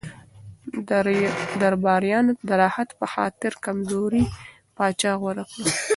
درباریانو د راحت په خاطر کمزوری پاچا غوره کړ.